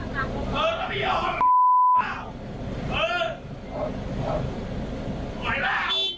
ก็ไม่ยอมอะไรอ่ะ